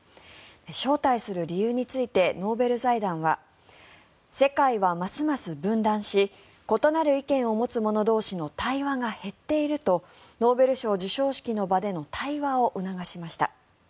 招待する理由についてノーベル財団は世界はますます分断し異なる意見を持つ者同士の対話が減っているとノーベル賞授賞式の場での対話を促しました。